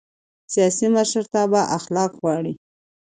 سیاسي مشرتابه اخلاق غواړي